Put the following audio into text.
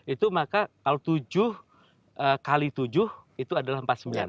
itu maka kalau tujuh kali tujuh itu adalah empat puluh sembilan